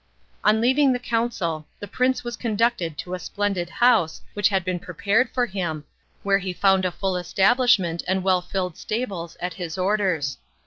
On leaving the council the prince was conducted to a splendid house which had been prepared for him, where he found a full establishment and well filled stables at his orders.